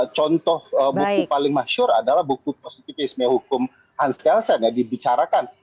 contoh buku paling masyur adalah buku positifisme hukum hans kelsen yang dibicarakan